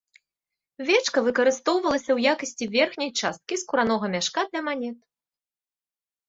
Вечка выкарыстоўвалася ў якасці верхняй часткі скуранога мяшка для манет.